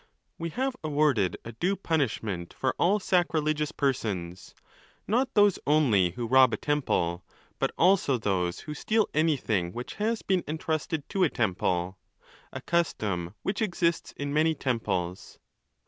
We have awarded a due punishment for all sacrilegious persons, not those: only who rob a temple, but also those who steal anything which has been entrusted to a temple, a custom which exists in many temples.